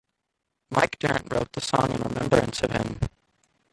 Mike Dirnt wrote the song in remembrance of him.